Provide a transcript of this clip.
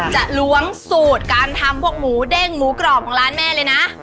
ล้วงสูตรการทำพวกหมูเด้งหมูกรอบของร้านแม่เลยนะ